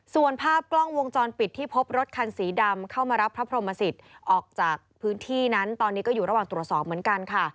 ส่วนภาพกล้องวงจรปิดที่พบรถคันสีดำเข้ามารับพระพรหมสิทธิ์ออกจากพื้นที่นั้นตอนนี้ก็อยู่ระหว่างตรวจสอบเหมือนกันค่ะ